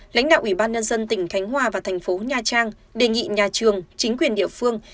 lãnh đạo ủy ban nhân dân tỉnh khánh hòa và thành phố nha trang đề nghị nhà trường chính quyền địa phương